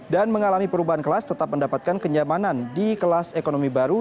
mengalami perubahan kelas tetap mendapatkan kenyamanan di kelas ekonomi baru